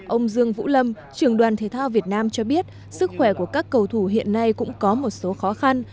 ông dương vũ lâm trường đoàn thể thao việt nam cho biết sức khỏe của các cầu thủ hiện nay cũng có một số khó khăn